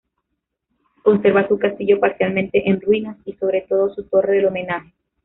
Conserva su castillo parcialmente en ruinas y, sobre todo, su torre del homenaje.